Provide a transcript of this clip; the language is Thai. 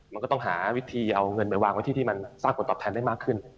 มันก็ต้องหาวิธีเอาเงินไปวางไว้ที่ที่มันสร้างผลตอบแทนได้มากขึ้น